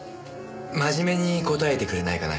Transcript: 真面目に答えてくれないかな。